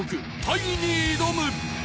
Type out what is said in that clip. タイに挑む！